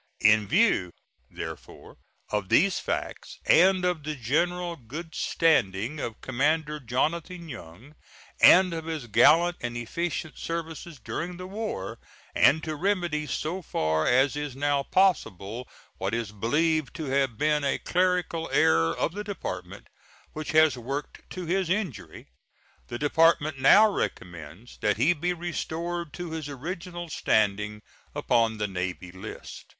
In view, therefore, of these facts, and of the general good standing of Commander Jonathan Young, and of his gallant and efficient services during the war, and to remedy so far as is now possible what is believed to have been a clerical error of the Department, which has worked to his injury, the Department now recommends that he be restored to his original standing upon the navy list.